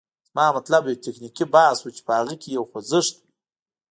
زما مطلب یو تکتیکي بحث و، چې په هغه کې یو خوځښت وي.